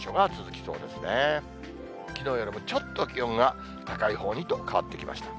きのうよりもちょっと、気温が高いほうにと変わってきました。